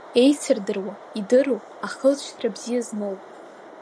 Иеицырдыруа, идыру, ахылҵшьҭра бзиа змоу.